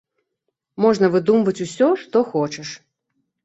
Можна выдумваць усё, што хочаш.